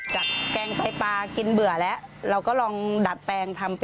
จากแกงไต้ปลากินเบื่อแล้วเราก็ลองดับแปลง